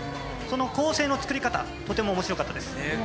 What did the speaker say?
その構成の作り方、とてもおもしろかったです。